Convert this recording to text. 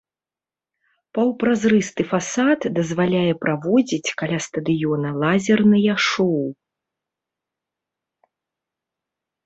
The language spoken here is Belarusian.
Паўпразрысты фасад дазваляе праводзіць каля стадыёна лазерныя шоу.